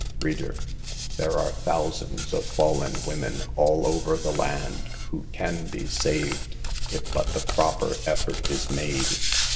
Reader, there are thousands of fallen women all over the land who can be saved, if but the proper effort is made.